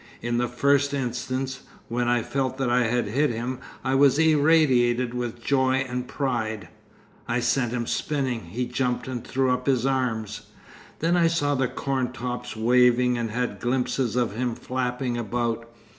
In the first instance, when I felt that I had hit him I was irradiated with joy and pride.... 'I sent him spinning. He jumped and threw up his arms.... 'Then I saw the corn tops waving and had glimpses of him flapping about.